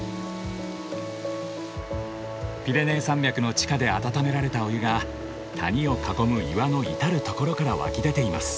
ピレネー山脈の地下で温められたお湯が谷を囲む岩の至る所から湧き出ています。